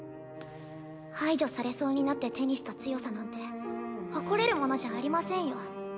排除されそうになって手にした強さなんて誇れるものじゃありませんよ。